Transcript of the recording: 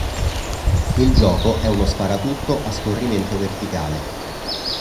Il gioco è uno sparatutto a scorrimento verticale.